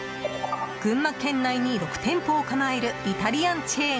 群馬県内に６店舗を構えるイタリアンチェーン